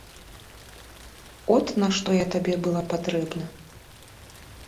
От на што я табе была патрэбна.